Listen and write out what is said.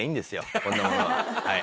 こんなものははい。